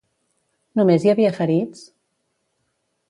Només hi havia ferits?